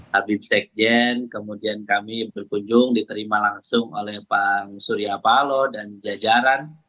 habib sekjen kemudian kami berkunjung diterima langsung oleh pak surya palo dan jajaran